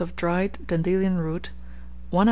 of dried dandelion root, 1 oz.